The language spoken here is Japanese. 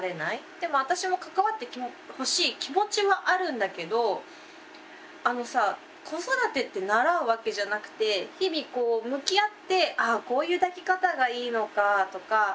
でも私も関わってほしい気持ちはあるんだけどあのさ子育てって習うわけじゃなくて日々こう向き合って「ああこういう抱き方がいいのか」とか。